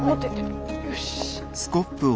よし。